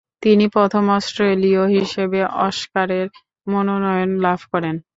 তিনি প্রথম অস্ট্রেলীয় হিসেবে অস্কারের মনোনয়ন লাভ করেন।